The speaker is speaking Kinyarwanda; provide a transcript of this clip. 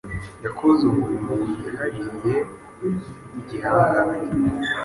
Yakoze umurimo wihariyeaha igihangange